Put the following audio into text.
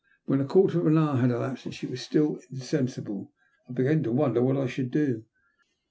When a quarter of an hour had elapsed, and she was still in sensible, I began to wonder what I should do.